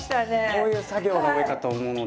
こういう作業が多いかと思うので。